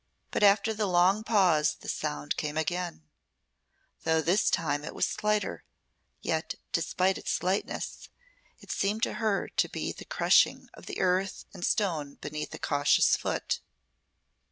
But after the long pause the same sound came again, though this time it was slighter; yet, despite its slightness, it seemed to her to be the crushing of the earth and stone beneath a cautious foot.